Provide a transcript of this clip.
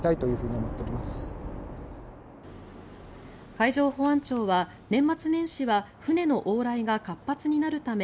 海上保安庁は、年末年始は船の往来が活発になるため